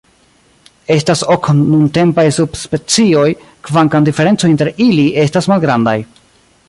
Estas ok nuntempaj subspecioj, kvankam diferencoj inter ili estas malgrandaj.